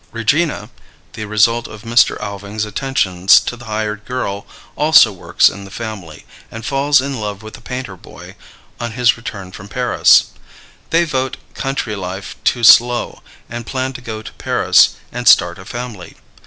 Regena, the result of Mr. Alving's attentions to the hired girl, also works in the family, and falls in love with the painter boy on his return from Paris. They vote country life too slow, and plan to go to Paris and start a family.